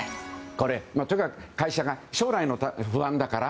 これ、とにかく会社が将来が不安だから